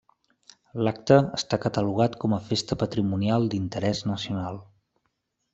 L'acte està catalogat com a Festa patrimonial d'interès nacional.